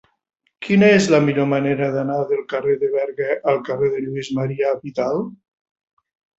Quina és la millor manera d'anar del carrer de Berga al carrer de Lluís Marià Vidal?